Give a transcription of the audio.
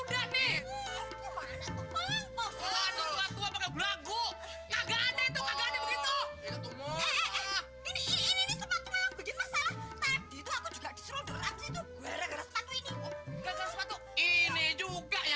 kalau gak mau disalahin gue harus nyalain siapa